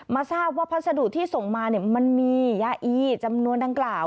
ทราบว่าพัสดุที่ส่งมามันมียาอีจำนวนดังกล่าว